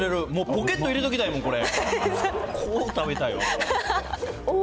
ポケット入れときたいもん、これ。